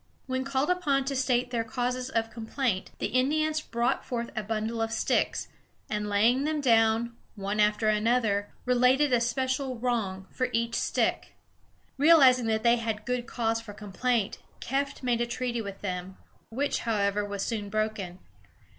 When called upon to state their causes of complaint, the Indians brought forth a bundle of sticks, and laying them down, one after another, related a special wrong for each stick. Realizing that they had good cause for complaint, Kieft made a treaty with them, which, however, was soon broken.